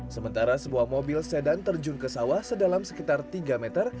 sementara sebuah mobil sedan terjun ke sawah sedalam sekitar tiga meter